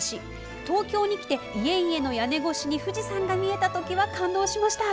東京に来て、家々の屋根越しに富士山が見えたときは感動しました。